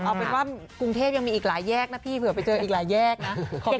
เอาเป็นว่ากรุงเทพยังมีอีกหลายแยกนะพี่เผื่อไปเจออีกหลายแยกนะ